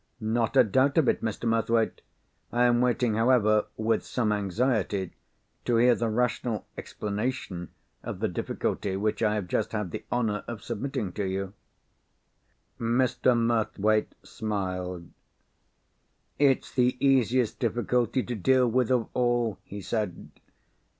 "Not a doubt of it, Mr. Murthwaite! I am waiting, however, with some anxiety, to hear the rational explanation of the difficulty which I have just had the honour of submitting to you." Mr. Murthwaite smiled. "It's the easiest difficulty to deal with of all," he said.